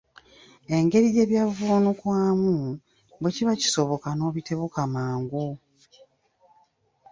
Engeri gye byavuunukwamu, bwe kiba kisoboka n’obitebuka mangu.